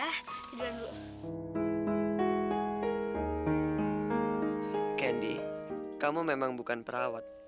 kendi kamu memang bukan perawat